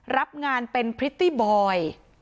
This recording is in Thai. รับงานเป็นพริตตี้บอย